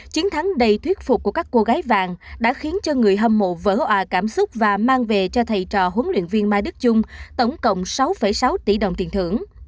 chiến thắng đầy thuyết phục của các cô gái vàng đã khiến cho người hâm mộ vỡ hòa cảm xúc và mang về cho thầy trò huấn luyện viên mai đức trung tổng cộng sáu sáu tỷ đồng tiền thưởng